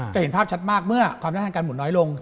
เห็นภาพชัดมากเมื่อความได้ทางการหมุนน้อยลง